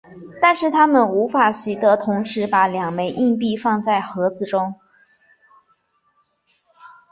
但是它们无法习得同时把两枚硬币放到盒子中。